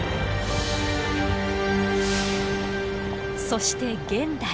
そして現代。